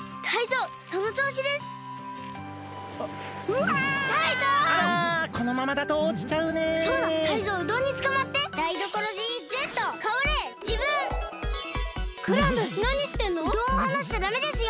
うどんをはなしちゃダメですよ！